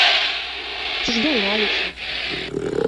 Ці ж я лаюся?